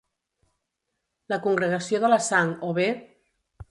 La Congregació de la Sang, o bé: